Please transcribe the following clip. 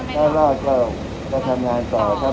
ถ้ารอดก็ทำงานต่อถ้าไม่รอดก็กลับบ้าน